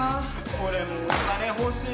俺もお金欲しい。